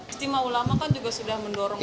istimewa ulama kan juga sudah mendorong ke sini